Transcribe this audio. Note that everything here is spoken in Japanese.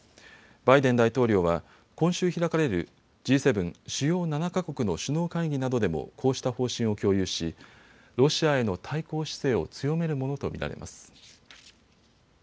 バイデン大統領は今週開かれるＧ７・主要７か国の首脳会議などでもこうした方針を共有しロシアへの対抗姿勢を強めるものと見られます。